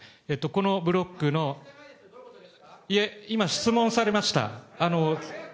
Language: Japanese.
このブロックの、今質問されました。